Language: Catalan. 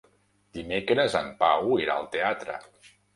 Dimecres en Pau irà al teatre.